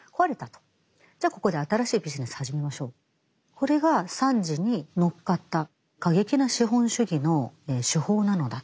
これが惨事に乗っかった過激な資本主義の手法なのだと。